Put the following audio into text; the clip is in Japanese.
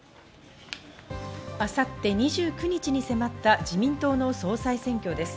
明後日２９日に迫った、自民党の総裁選挙です。